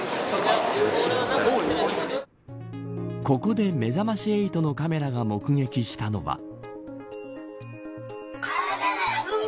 ここでめざまし８のカメラが目撃したのは。